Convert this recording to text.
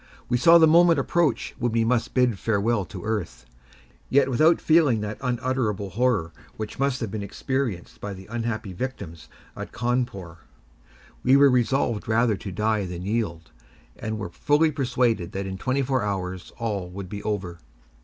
We saw the moment approach when we must bid farewell to earth, yet without feeling that unutterable horror which must have been experienced by the unhappy victims at Cawnpore. We were resolved rather to die than yield, and were fully persuaded that in twenty four hours all would be over.